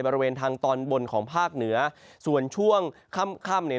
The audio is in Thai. บริเวณทางตอนบนของภาคเหนือส่วนช่วงค่ำ